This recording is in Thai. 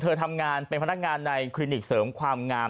ทำงานเป็นพนักงานในคลินิกเสริมความงาม